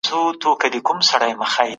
که خلګ یو بل ونه مني شخړي زیاتیږي.